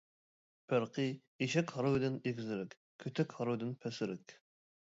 پەرقى ئېشەك ھارۋىدىن ئېگىزرەك، كۆتەك ھارۋىدىن پەسرەك.